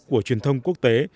của truyền thông quốc tế